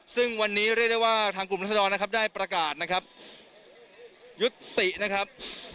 ซึ่งวันนี้เรียกได้ว่าทางกลุ่มรัศดรนะครับได้ประกาศนะครับยุตินะครับ